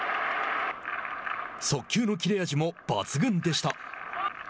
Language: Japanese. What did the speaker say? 速球の切れ味も抜群でした。